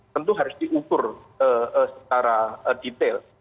tentu harus diukur secara detail